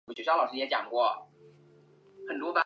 总统是国家元首和政府首脑和武装力量最高统帅。